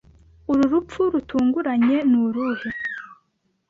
Uru rupfu rutunguranye nuruhe